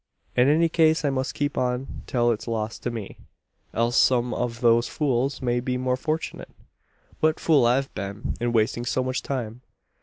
"In any case, I must keep on till it's lost to me: else some of those fools may be more fortunate. "What a fool I've been in wasting so much time.